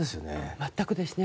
全くですね。